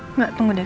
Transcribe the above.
enggak tunggu deh